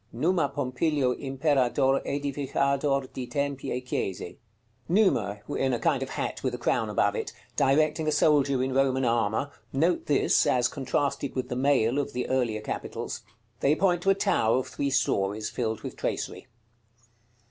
"NUMA POMPILIO IMPERADOR EDIFICHADOR DI TEMPI E CHIESE." Numa, in a kind of hat with a crown above it, directing a soldier in Roman armor (note this, as contrasted with the mail of the earlier capitals). They point to a tower of three stories filled with tracery.